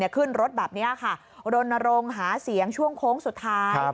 ขึ้นรถแบบนี้ค่ะรณรงค์หาเสียงช่วงโค้งสุดท้าย